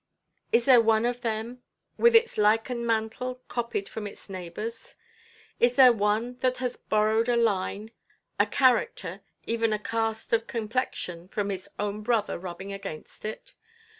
Is there one of them with its lichen–mantle copied from its neighbourʼs? Is there one that has borrowed a line, a character, even a cast of complexion from its own brother rubbing against it?